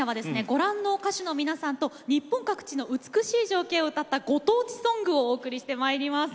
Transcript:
ご覧の歌手の皆さんと日本各地の美しい情景を歌ったご当地ソングをお送りしてまいります。